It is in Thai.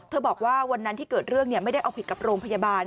บอกว่าวันนั้นที่เกิดเรื่องไม่ได้เอาผิดกับโรงพยาบาล